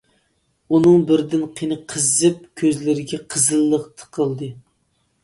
ئۇنىڭ بىردىن قېنى قىزىپ كۆزلىرىگە قىزىللىق تىقىلدى.